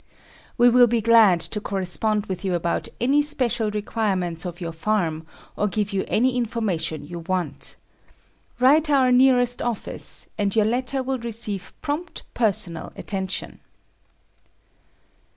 We will be glad to correspond with you about any special requirements of your farm, or give you any information you want. Write our nearest office (see last page) and your letter will receive prompt, personal attention.